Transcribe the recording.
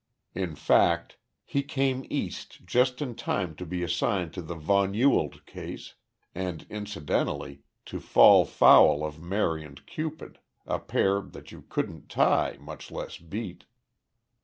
In fact, he came east just in time to be assigned to the von Ewald case and, incidentally, to fall foul of Mary and Cupid, a pair that you couldn't tie, much less beat."